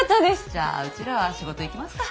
じゃあうちらは仕事行きますか。